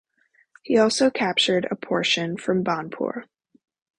He also captured a portion from Banpur.